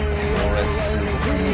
これすごいよね。